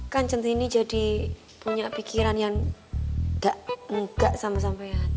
kan centini jadi punya pikiran yang gak sama sama ya